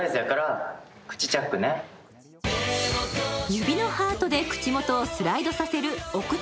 指のハートで口元をスライドさせるお口